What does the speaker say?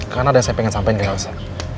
karena ada yang saya pengen sampaikan ke elsa